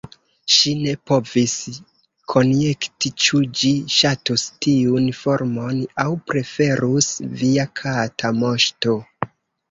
Ŝi ne povis konjekti ĉu ĝi ŝatus tiun formon, aŭ preferus "Via kata moŝto."